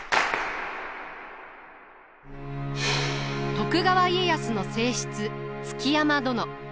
徳川家康の正室築山殿。